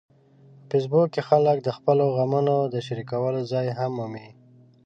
په فېسبوک کې خلک د خپلو غمونو د شریکولو ځای هم مومي